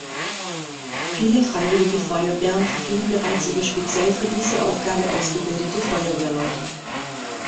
Viele Freiwillige Feuerwehren verfügen bereits über speziell für diese Aufgabe ausgebildete Feuerwehrleute.